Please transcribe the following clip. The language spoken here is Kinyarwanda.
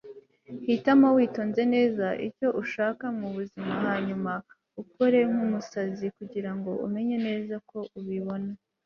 hitamo witonze, neza icyo ushaka mubuzima, hanyuma ukore nk'umusazi kugirango umenye neza ko ubibona